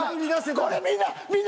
これみんな！